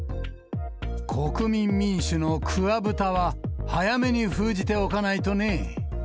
国民民主の桑ブタは早めに封じておかないとね。